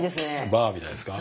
バーみたいですか。